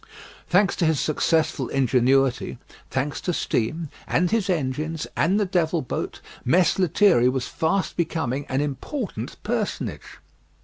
Thanks to his successful ingenuity, thanks to steam, and his engines, and the "Devil Boat," Mess Lethierry was fast becoming an important personage.